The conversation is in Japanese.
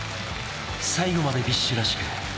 最後までＢｉＳＨらしく。